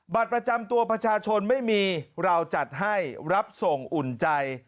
บัตรประจำตัวประชาชนไม่มีเราจัดให้รับส่งอุ่นใจ